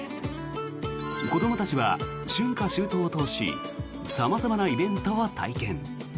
子どもたちは春夏秋冬を通し様々なイベントを体験。